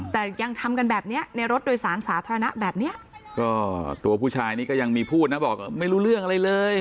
แต่ยังทำกันแบบเนี้ยในรถโดยสารสาธารณะแบบเนี้ยก็ตัวผู้ชายนี้ก็ยังมีพูดนะบอกไม่รู้เรื่องอะไรเลย